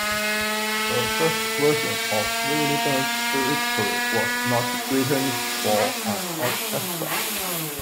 The first version of "Wellington's Victory" was not written for an orchestra.